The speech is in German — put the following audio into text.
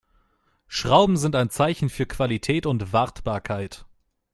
Schrauben sind ein Zeichen für Qualität und Wartbarkeit.